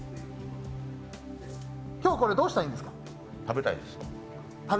今日これ、どうしたらいいんですか食べたいです。